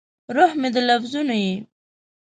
روح مې د لفظونو یې